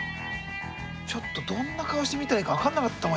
ちょっとどんな顔して見たらいいか分かんなかったもん。